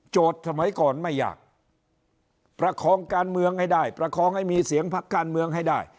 สมัยก่อนไม่อยากประคองการเมืองให้ได้ประคองให้มีเสียงพักการเมืองให้ได้